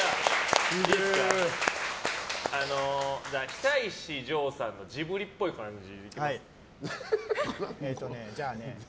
久石譲さんのジブリっぽい感じ。